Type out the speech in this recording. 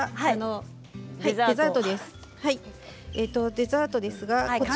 デザートです。